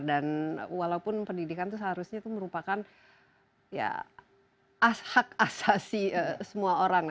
dan walaupun pendidikan itu seharusnya itu merupakan hak asasi semua orang